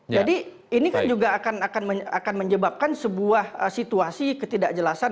jadi ini kan juga akan menyebabkan sebuah situasi ketidakjelasan